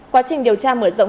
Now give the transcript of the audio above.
quá trình điều tra mở rộng